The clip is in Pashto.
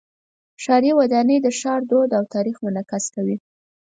ښاري ودانۍ د ښار دود او تاریخ منعکس کوي.